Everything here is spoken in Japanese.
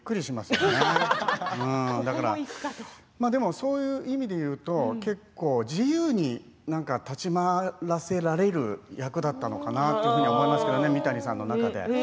そういう意味でいうと結構、自由に立ち回らせられる役だったのかなと思いますけれどもね、三谷さんの中で。